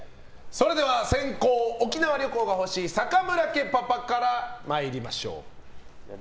それでは先攻沖縄旅行が欲しい坂村家パパから参りましょう。